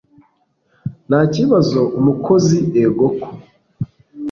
ntakibazo umukozi egoko